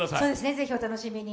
ぜひお楽しみに。